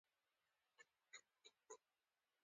هغه څه چې ټیلمکس او سلایم یې دلیل په توګه وړاندې کاوه.